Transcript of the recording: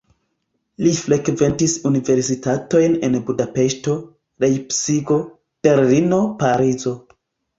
Li frekventis universitatojn en Budapeŝto, Lejpcigo, Berlino, Parizo.